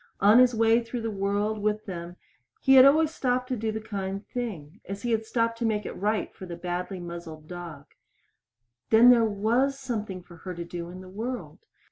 On his way through the world with them he had always stopped to do the kind thing as he stopped to make it right for the badly muzzled dog. Then there was something for her to do in the world.